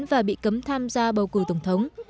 và bị cấm tham gia bầu cử tổng thống